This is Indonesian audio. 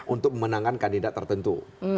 untuk memenangkan kandidat tertentu